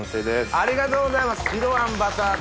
ありがとうございます。